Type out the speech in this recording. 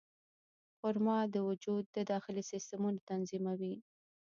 خرما د وجود د داخلي سیستمونو تنظیموي.